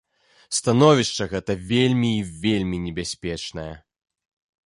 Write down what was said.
Становішча гэта вельмі і вельмі небяспечнае.